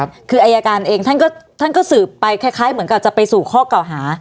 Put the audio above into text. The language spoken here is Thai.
คืออายการเองท่านก็ท่านก็สืบไปคล้ายเหมือนกับจะไปสู่ข้อเก่าหา